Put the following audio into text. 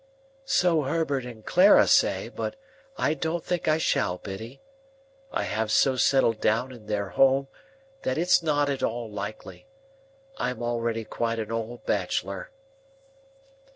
"So Herbert and Clara say, but I don't think I shall, Biddy. I have so settled down in their home, that it's not at all likely. I am already quite an old bachelor."